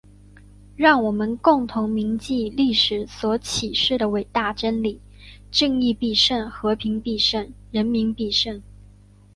让我们共同铭记历史所启示的伟大真理：正义必胜！和平必胜！人民必胜！